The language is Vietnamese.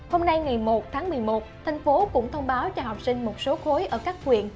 hôm nay ngày một tháng một mươi một thành phố cũng thông báo cho học sinh một số khối ở các huyện